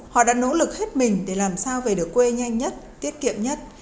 họ đã nỗ lực hết mình để làm sao về được quê nhanh nhất tiết kiệm nhất